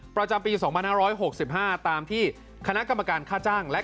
ประจำปี๒๕๖๕ตามที่คณะกรรมการค่าจ้างและ